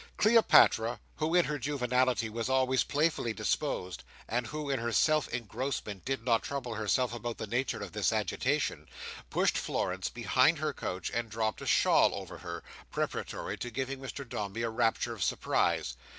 Cleopatra, who in her juvenility was always playfully disposed, and who in her self engrossment did not trouble herself about the nature of this agitation, pushed Florence behind her couch, and dropped a shawl over her, preparatory to giving Mr Dombey a rapture of surprise.